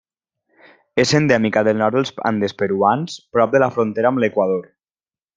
És endèmica del nord dels Andes peruans, prop de la frontera amb l'Equador.